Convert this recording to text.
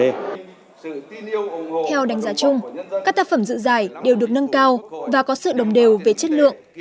theo đánh giá chung các tác phẩm dự giải đều được nâng cao và có sự đồng đều về chất lượng